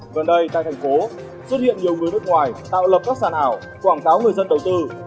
gần đây tại thành phố xuất hiện nhiều người nước ngoài tạo lập các sàn ảo quảng cáo người dân đầu tư